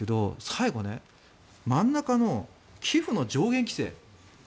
最後、真ん中の寄付の上限規制。